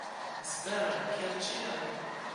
Esperon, kiel ĉiam!